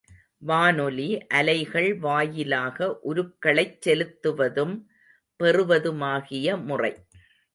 வானொலி அலைகள் வாயிலாக உருக்களைச் செலுத்துவதும் பெறுவதுமாகிய முறை.